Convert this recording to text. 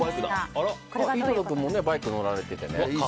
井戸田君もバイク乗られててね。